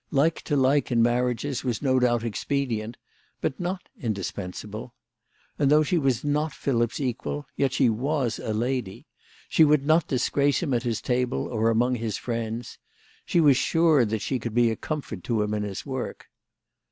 Like to like in marriages was no doubt expedient, but not indispensable. And though she was not Philip's equal, yet she was a lady. She would not disgrace him at his table, or among his friends. She was sure that she could be a comfort to him in his work.